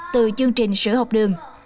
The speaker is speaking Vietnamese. từ chương trình sữa học đường